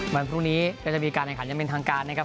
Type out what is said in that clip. วันพรุ่งนี้นี่จะมีการแข่งขันในเมียงทางการนะครับ